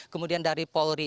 kemudian dari polri